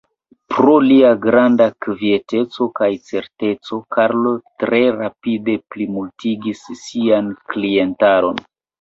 Pro lia granda kvieteco kaj certeco, Karlo tre rapide plimultigis sian klientaron.